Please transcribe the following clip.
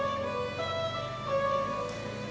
ngomong ngomong ke pojamilah tumben datang ke kampung rawa bebek